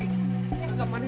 ini bautnya ini burung pari